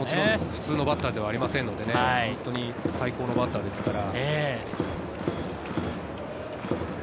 普通のバッターではありませんので、最高のバッターですので。